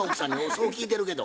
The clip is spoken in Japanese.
そう聞いてるけど。